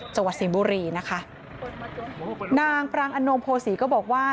จังหวัดสิงห์บุรีนะคะนางปรางอนงโภษีก็บอกว่า